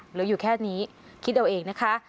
เหลืออยู่แค่นี้คิดเอาเองนะคะ